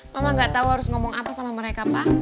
mama gak tau harus ngomong apa sama mereka pa